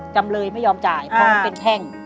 จำเลยไม่ยอมจ่ายเพราะมันเป็นแท่ง